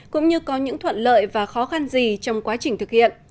cũng như có những thuận lợi và khó khăn gì trong quá trình thực hiện